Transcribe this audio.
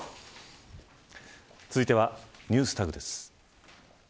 続いてはＮｅｗｓＴａｇです。